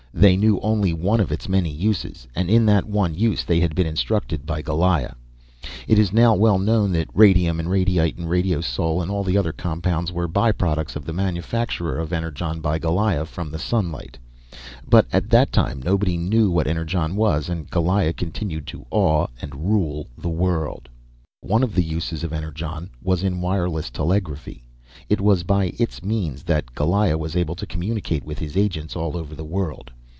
They knew only one of its many uses, and in that one use they had been instructed by Goliah. It is now well known that radium, and radiyte, and radiosole, and all the other compounds, were by products of the manufacture of Energon by Goliah from the sunlight; but at that time nobody knew what Energon was, and Goliah continued to awe and rule the world. One of the uses of Energon was in wireless telegraphy. It was by its means that Goliah was able to communicate with his agents all over the world.